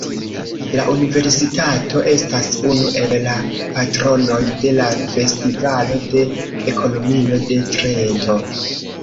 La universitato estas unu el la patronoj de la Festivalo de Ekonomio de Trento.